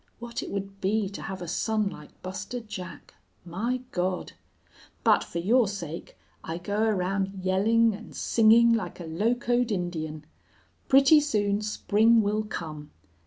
What it would be to have a son like Buster Jack! My God! But for your sake I go around yelling and singing like a locoed Indian. Pretty soon spring will come.